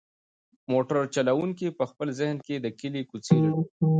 موټر چلونکی په خپل ذهن کې د کلي کوڅې لټوي.